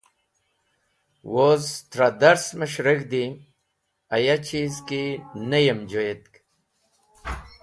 Woz trẽ dars mes̃h reg̃hdi, aya chiz ki neyem joyetk.